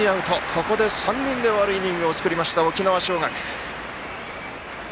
ここで３人で終わるイニングを作りました、沖縄尚学。